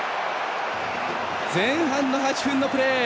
前半の８分のプレー。